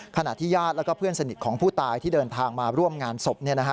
ขณะที่ญาติและเพื่อนสนิทของผู้ตายที่เดินทางมาร่วมงานศพ